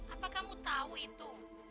apa kamu tahu itu